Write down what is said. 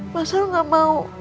masya gak mau